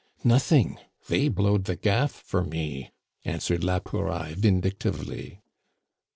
"Nothing! They blowed the gaff for me," answered la Pouraille vindictively.